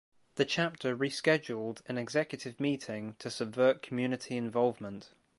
The chapter rescheduled an executive meeting to subvert community involvement.